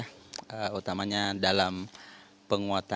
yang utamanya dalam penguatan